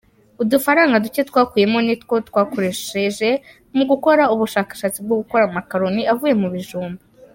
Udufaranga duke twakuyemo nitwo twakoresheje mu gukora ubushakashatsi bwo gukora amakaroni avuye mu bijumba.